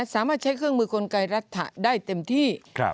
สามารถใช้เครื่องมือกลไกรรัฐได้เต็มที่